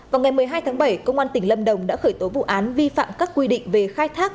vào ngày một mươi hai tháng bảy công an tỉnh lâm đồng đã khởi tố vụ án vi phạm các quy định về khai thác